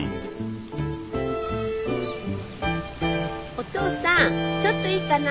お父さんちょっといいかな？